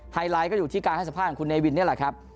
ไลท์ก็อยู่ที่การให้สัมภาษณ์คุณเนวินนี่แหละครับ